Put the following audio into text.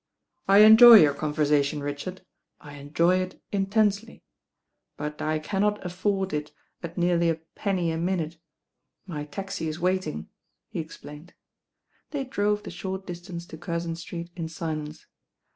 "I enjoy your conversation, Richard, I enjoy it intensely; but I cannot afford it at nearly a penny a minute. My taxi is waiting," he explained. They drove the short distance to Curzon Street In silence.